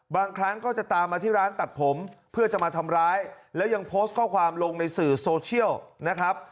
บางครั้งก็จะตามมาที่ร้านตัดผมเพื่อจะมาทำร้ายแล้วยังโพสต์ข้อความลงในสื่อโซเชียลนะครับ